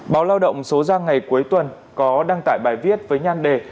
báo lao động số ra ngày cuối tuần có đăng tải bài viết với nhan đề